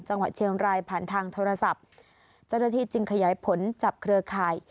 จังหวัดเชียงรายผ่านทางโทรศัพท์เจ้าหน้าที่จึงขยายผลจับเครือข่าย